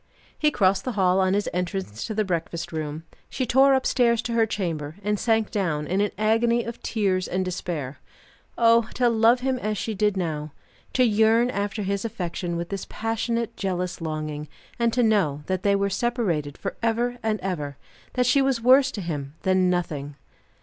He crossed the hall on his entrance to the breakfast room. She tore upstairs to her chamber, and sank down in an agony of tears and despair. Oh, to love him as she did now! To yearn after his affection with this passionate, jealous longing, and to know that they were separated for ever and ever; that she was worse to him than nothing!